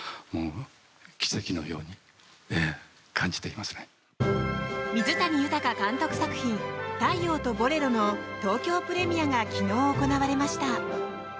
お電話で水谷豊監督作品「太陽とボレロ」の東京プレミアが昨日、行われました。